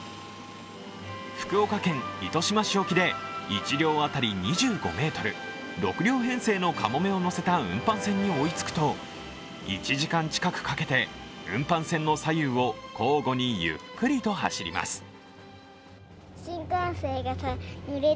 福岡県糸島市沖で１両当たり２５ｍ、６両編成のかもめを載せた運搬船に追いつくと、１時間近くかけて運搬船の左右を交互にゆっくりと走ります。